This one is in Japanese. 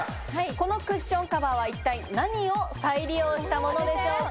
このクッションカバーは、一体何を再利用したものでしょうか。